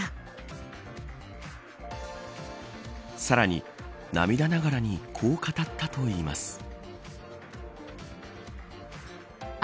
さらに涙ながらにこう語ったといいます。